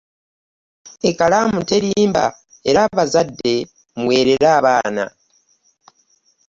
Ekkalaamu terimba era abazadde muweerere abaana.